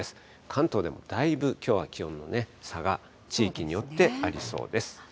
関東でもだいぶ、きょうは気温の差が、地域によってありそうです。